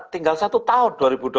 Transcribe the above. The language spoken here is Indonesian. tinggal satu tahun dua ribu dua puluh